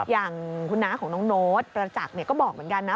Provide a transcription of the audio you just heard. อย่างคุณน้าของน้องโน้ตประจักษ์ก็บอกเหมือนกันนะ